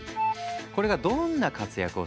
これがどんな活躍をするのか。